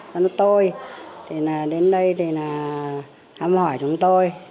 các bác tôi đến đây thì hâm hỏi chúng tôi